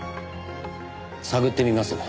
探ってみます。